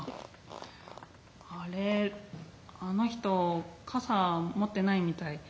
「あれあの人傘持ってないみたい」。